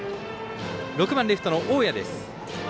６番レフトの大矢です。